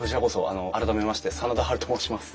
あの改めまして真田ハルと申します。